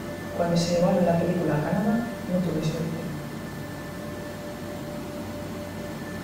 Cuando se llevaron la película a Canadá, no tuve suerte.